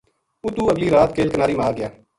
اُتوں اگلی رات کیل کناری ما آ گیا